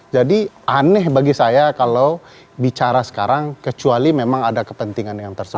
jadi aneh bagi saya kalau bicara sekarang kecuali memang ada kepentingan yang tersebut